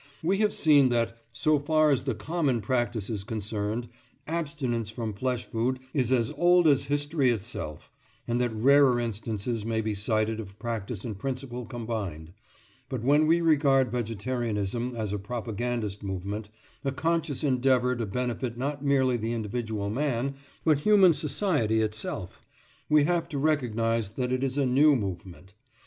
We have seen that, so far as the common practice is concerned, abstinence from flesh food is as old as history itself, and that rarer instances may be cited of practice and principle combined; but when we regard vegetarianism as a propagandist movement, a conscious endeavour to benefit not merely the individual man, but human society itself, we have to recognise that it is a new movement.